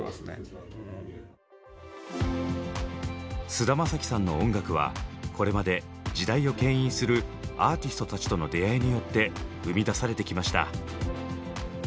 菅田将暉さんの音楽はこれまで時代を牽引するアーティストたちとの出会いによって生み出されてきました。